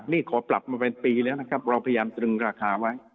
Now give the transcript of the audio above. นี่ขอปรับมาเป็นปีแล้วนะครับเราพยายามตรึงราคาไว้